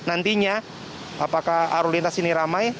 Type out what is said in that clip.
apakah arulintas ini ramai